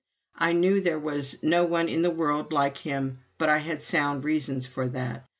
I knew there was no one in the world like him, but I had sound reasons for that.